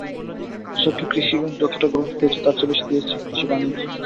কৃষককে কৃষি ব্যাংক যতটা গুরুত্ব দিয়েছে, তার চেয়ে বেশি দিয়েছে কৃষি-বাণিজ্যে।